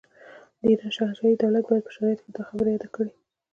د ایران شاهنشاهي دولت باید په شرایطو کې دا خبره یاده کړي.